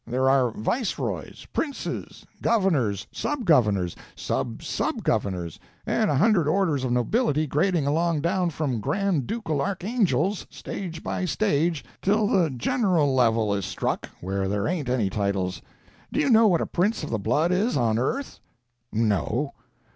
There are viceroys, princes, governors, sub governors, sub sub governors, and a hundred orders of nobility, grading along down from grand ducal archangels, stage by stage, till the general level is struck, where there ain't any titles. Do you know what a prince of the blood is, on earth?" "No."